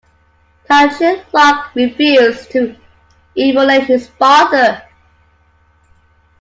Tan Cheng Lock refused to emulate his father.